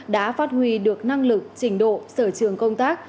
đã phát huy được năng lực trình độ sở trường công tác